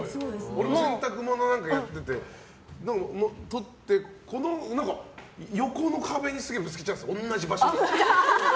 俺も洗濯物やっていて、取って横の壁にすげえぶつけちゃうんですよ。